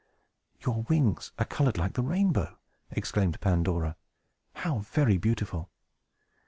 "Your wings are colored like the rainbow!" exclaimed Pandora. "How very beautiful!"